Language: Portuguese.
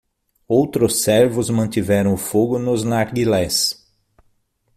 Outros servos mantiveram o fogo nos narguilés.